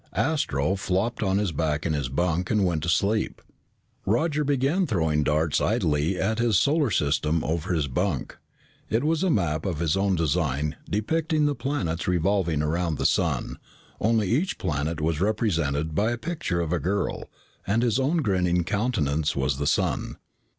Astro flopped on his back in his bunk and went to sleep. Roger began throwing darts idly at his "solar system" over his bunk. It was a map of his own design depicting the planets revolving around the sun, only each planet was represented by a picture of a girl, and his own grinning countenance was the sun.